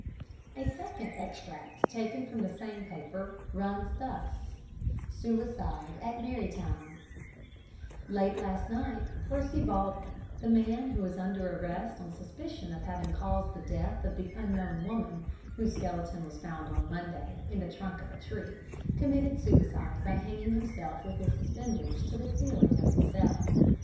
A second extract taken from the same paper runs thus: "Suicide at Marytown "Late last night Percy Baldwin, the man who is under arrest on suspicion of having caused the death of the unknown woman, whose skeleton was found on Monday in the trunk of a tree, committed suicide by hanging himself with his suspenders to the ceiling of his cell.